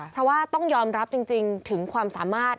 เพราะว่าต้องยอมรับจริงถึงความสามารถ